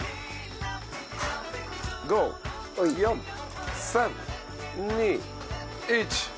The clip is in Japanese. ５４３２１。